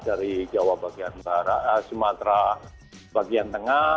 dari jawa bagian barat sumatera bagian tengah